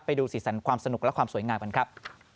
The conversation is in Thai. ไปดูสีสันความสนุกและความสวยงามกันครับ